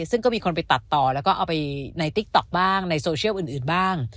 ซึ่งก็มีคนไปตัดต่อแล้วก็เอาไปในติ๊กต๊อกบ้างในโซเชียลอื่นบ้าง